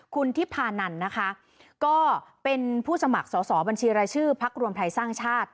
คุณทิพานันนะคะก็เป็นผู้สมัครสอสอบัญชีรายชื่อพักรวมไทยสร้างชาติ